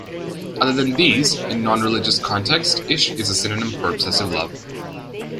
Other than these, in non-religious context, "'ishq" is a synonym for obsessive love.